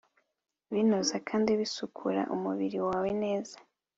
binoza kandi bisukura umubiri wawe neza